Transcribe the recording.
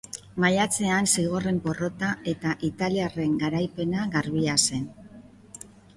Maiatzean zigorren porrota eta italiarren garaipena garbia zen.